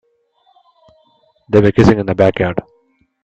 They were kissing in the backyard.